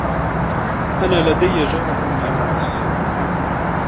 أنا لدي جارة يهودية.